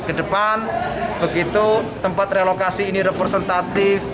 kedepan begitu tempat relokasi ini representatif